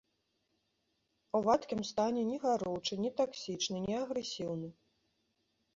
У вадкім стане не гаручы, не таксічны, не агрэсіўны.